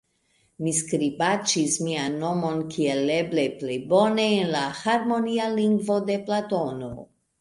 Mi skribaĉis mian nomon kiel eble plej bone en la harmonia lingvo de Platono.